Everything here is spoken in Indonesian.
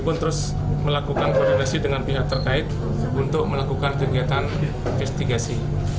pun terus melakukan koordinasi dengan pihak terkait untuk melakukan kegiatan investigasi